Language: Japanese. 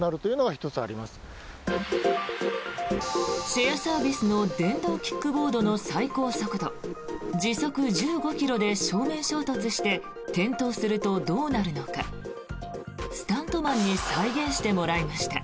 シェアサービスの電動キックボードの最高速度時速１５ｋｍで正面衝突して転倒すると、どうなるのかスタントマンに再現してもらいました。